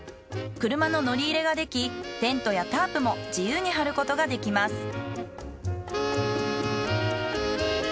車の乗り入れができテントやタープも自由に張ることができます。